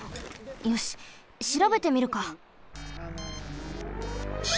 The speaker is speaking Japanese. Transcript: よししらべてみるか。